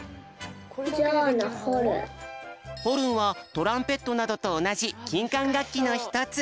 ホルンはトランペットなどとおなじきんかんがっきのひとつ。